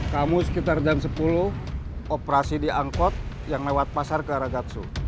kamu sekitar jam sepuluh operasi di angkot yang lewat pasar ke ragatsu